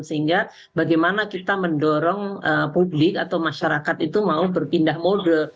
sehingga bagaimana kita mendorong publik atau masyarakat itu mau berpindah mode